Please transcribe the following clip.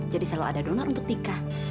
jadi selalu ada donor untuk tika